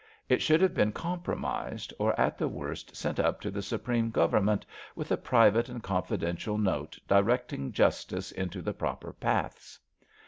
It should have been compromised, or at the worst sent up to the Supreme Government with a private and confidential note directing justice into the proper paths.